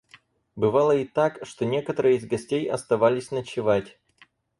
Бывало и так, что некоторые из гостей оставались ночевать.